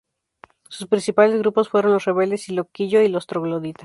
Sus principales grupos fueron Los Rebeldes y Loquillo y los Trogloditas.